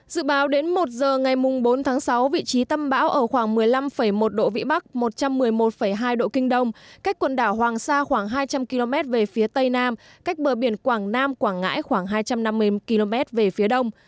dự báo đến một giờ ngày bốn tháng sáu vị trí tâm bão ở khoảng một mươi năm một độ vĩ bắc một trăm một mươi một hai độ kinh đông cách quần đảo hoàng sa khoảng hai trăm linh km về phía tây nam cách bờ biển quảng nam quảng ngãi khoảng hai trăm năm mươi km về phía đông